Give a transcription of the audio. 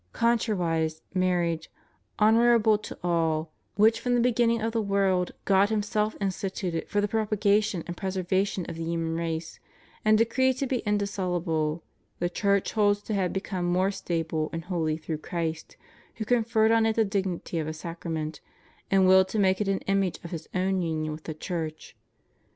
Contrariwise, mar riage, honorable to all,^ which from the beginning of the world God Himself instituted for the propagation and preservation of the human race, and decreed to be indis soluble, the Church holds to have become more stable and holy through Christ, who conferred on it the dignity of a sacrament, and willed to make it an image of His own union with the Church.